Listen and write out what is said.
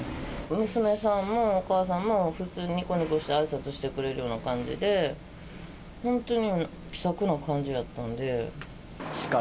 娘さんもお母さんも、普通ににこにこしてあいさつしてくれるような感じで、本当にもう、気さくな感じやったんで。